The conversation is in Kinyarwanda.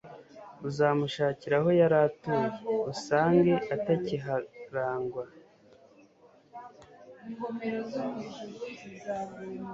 uzamushakira aho yari atuye usange atakiharangwa